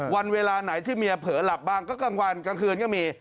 วันเวลาไหนที่เมียเผลอหลับบ้างก็กลางวันกลางคืนก็มี